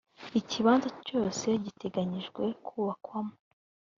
ikibanza cyose giteganyijwe kubakwamo